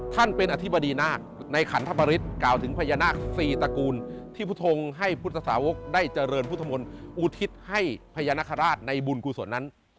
ท่านเป็นอธิบดีนาคในขันทปริศกล่าวถึงพญานาคสี่ตระกูลที่พุทธงให้พุทธสาวกได้เจริญพุทธมนต์อุทิศให้พญานาคาราชในบุญกุศลนั้น